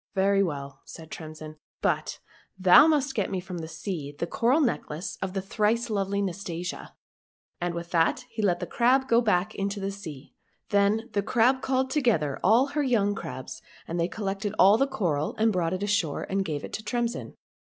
—'' Very well," said Tremsin, " but thou must get me from the sea the coral necklace of the thrice lovely Nastasia," and with that he let the crab go back into the sea again. Then the crab called together all her young crabs, and they collected all the coral and brought it ashore, and gave 99 ^5^^^^^ COSSACK FAIRY TALES it to Tremsin.